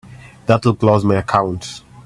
That'll close my account.